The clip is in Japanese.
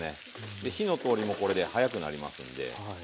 火の通りもこれで早くなりますので。